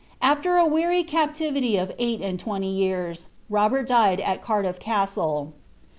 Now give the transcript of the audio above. After a weary captivity of eight and twenty years, Robert died at GardifiT Castle.